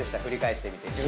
振り返ってみて。